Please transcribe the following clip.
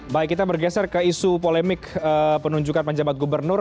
baik kita bergeser ke isu polemik penunjukan penjabat gubernur